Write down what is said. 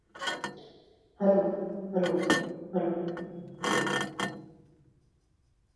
He apparently was impressed, and a long correspondence eventually led to marriage.